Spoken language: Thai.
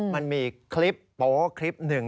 มันมีคลิปโป๊คลิปหนึ่ง